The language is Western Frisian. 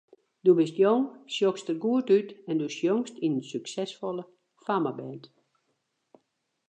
Do bist jong, sjochst der goed út en do sjongst yn in suksesfolle fammeband.